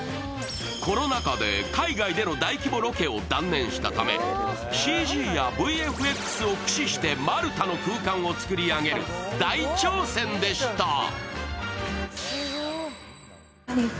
コロナ禍で海外での大規模ロケを断念したため、ＣＧやＶＦＸを駆使してマルタの空間を作り上げる大挑戦でした。